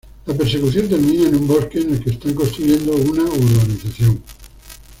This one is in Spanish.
La persecución termina en un bosque en el que están construyendo una urbanización.